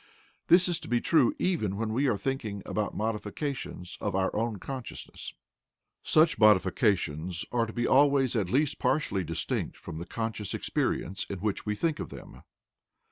This is to be true even when we are thinking about modifications of our own consciousness; such modifications are to be always at least partially distinct from the conscious experience in which we think of them.